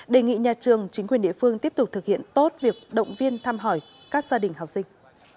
đề nghị nhà trường chính quyền địa phương tiếp tục thực hiện tốt việc động viên thăm hỏi các gia đình học sinh